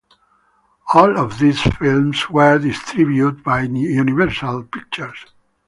All of these films were distributed by Universal Pictures.